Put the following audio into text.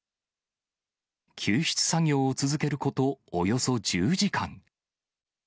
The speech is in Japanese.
救出作業を続けることおよそ１０時間。